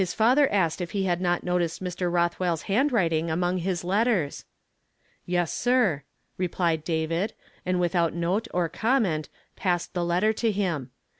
father asked if he liad not noticed Mr. Rothwell\s handwriting among liis letters. "Yes, sir," replied David, and without note or comment passed the letter to him.